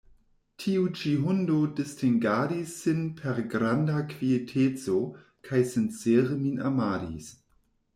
Tiu ĉi hundo distingadis sin per granda kvieteco kaj sincere min amadis.